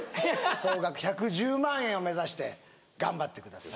総額１１０万円を目指して頑張ってください